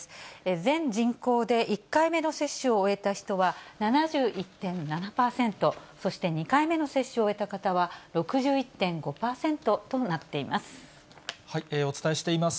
全人口で１回目の接種を終えた人は７１．７％、そして２回目の接種を終えた方は６１．５％となっています。